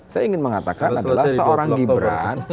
saya ingin mengatakan adalah seorang gibran